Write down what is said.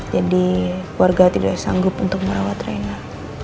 jadi keluarga tidak sanggup untuk merawat rena